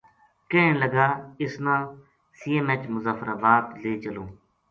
کہن لگا اس نا سی ایم ایچ مظفرآباد لے چلوں